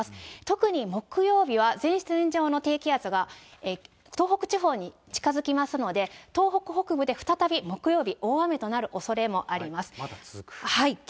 特に木曜日は前線上の低気圧が東北地方に近づきますので、東北北部で再び木曜日、まだ続く。